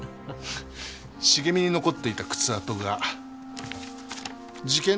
茂みに残っていた靴跡が事件